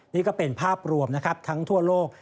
นี่ก็เป็นภาพรวมนะครับทั้งทั่วโลก